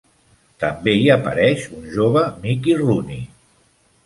També hi apareix un jove Mickey Rooney.